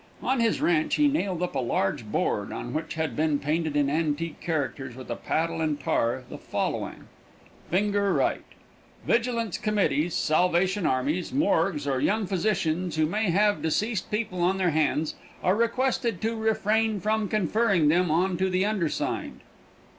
On his ranch he nailed up a large board, on which had been painted in antique characters, with a paddle and tar, the following: [finger right] Vigilance Committees, Salvation Armies, Morgues, or young physicians who may have deceased people on their hands, are requested to refrain from conferring them on to the undersigned.